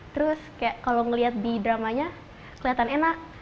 terus kayak kalau ngeliat di dramanya kelihatan enak